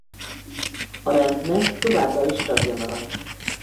A Rendnek továbbra is tagja maradt.